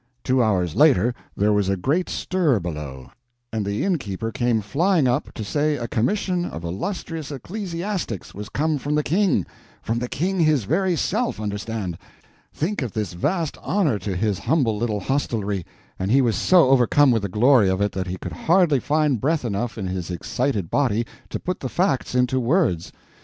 Two hours later there was a great stir below, and the innkeeper came flying up to say a commission of illustrious ecclesiastics was come from the King—from the King his very self, understand!—think of this vast honor to his humble little hostelry!—and he was so overcome with the glory of it that he could hardly find breath enough in his excited body to put the facts into words.